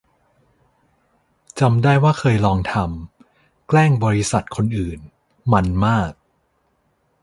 จำได้ว่าเคยลองทำ แกล้งบริษัทคนอื่น มันส์มาก